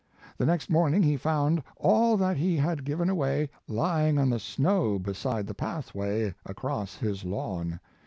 The next morning he found all that he had given away lying on the snow beside the pathway across his lawn.